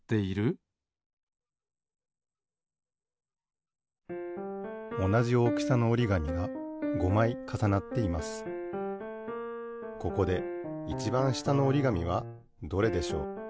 ここでいちばん下のおりがみはどれでしょう？